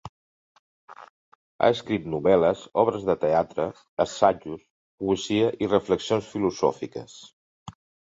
Ha escrit novel·les, obres de teatre, assajos, poesia i reflexions filosòfiques.